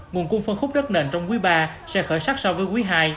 nguồn cung phân khúc đất nền trong quý ba sẽ khởi sắc so với quý ii